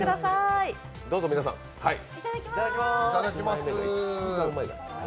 いただきます。